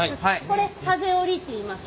これハゼ折りっていいます。